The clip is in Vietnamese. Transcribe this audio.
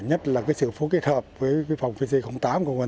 nhất là sự phối kết hợp với phòng pc tám của quân tỉnh